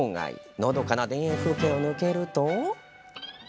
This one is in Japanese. のどかな田園風景を抜けると。